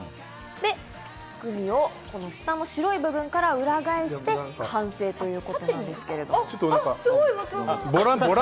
グミを白い部分を裏返して完成ということなんですが。